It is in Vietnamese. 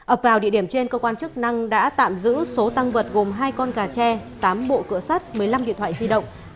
ập vào địa điểm trên cơ quan chức năng đã tạm giữ số tăng vật gồm hai con gà tre tám bộ cửa sắt một mươi năm điện thoại di động